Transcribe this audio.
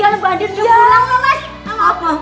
ya mbak andien jangan pulang